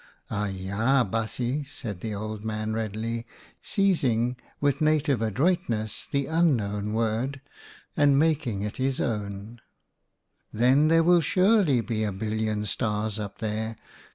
" Aja, baasje," said the old man readily, seizing, with native adroitness, the unknown word and making it his own, " then there will surely be a billion stars up there.